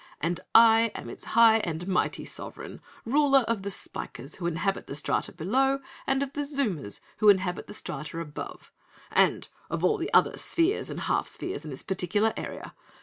"And I am its High and Mighty Sovereign, ruler of the Spikers who inhabit the strata below, and of the Zoomers who inhabit the strata above, and of all the other spheres and half spheres in this particular area.